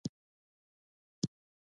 سندره د دود او دستور ښکلا ده